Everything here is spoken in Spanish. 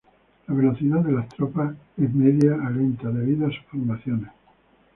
La velocidad de las tropas es media a lenta debido a sus formaciones.